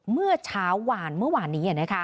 เมื่อเช้าวานเมื่อวานนี้